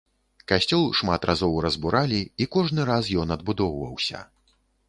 Касцёл шмат разоў разбуралі, і кожны раз ён адбудоўваўся.